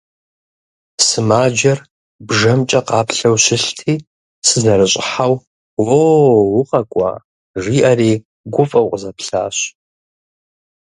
Сымаджэр бжэмкӀэ къаплъэу щылъти, сызэрыщӀыхьэу «Уо, укъэкӀуа!» жиӀэри гуфӀэу къызэплъащ.